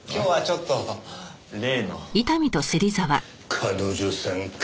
彼女さんか。